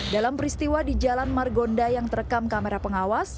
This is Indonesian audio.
dalam peristiwa di jalan margonda yang terekam kamera pengawas